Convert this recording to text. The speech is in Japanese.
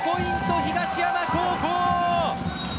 東山高校。